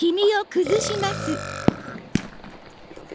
ちょっと広げて。